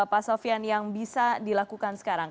pak sofian yang bisa dilakukan sekarang